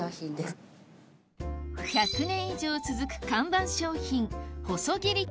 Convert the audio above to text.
１００年以上続く看板商品